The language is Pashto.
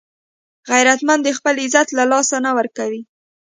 غیرتمند د خپلو عزت له لاسه نه ورکوي